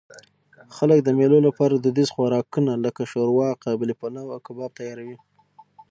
خلک د مېلو له پاره دودیز خوراکونه؛ لکه ښوروا، قابلي پلو، او کباب تیاروي.